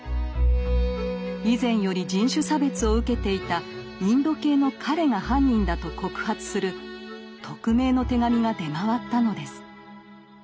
以前より人種差別を受けていたインド系の彼が犯人だと告発する匿名の手紙が出回ったのです。